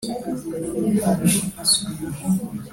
imana yarahagobotse itegeka umwami